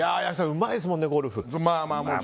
うまいですもんね、ゴルフ。